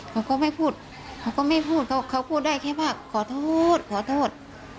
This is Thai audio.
เขาก็ไม่พูดเขาก็ไม่พูดเขาพูดได้แค่ว่าขอโทษขอโทษ